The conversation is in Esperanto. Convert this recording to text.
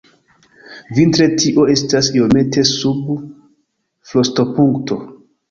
Vintre tio estas iomete sub frostopunkto.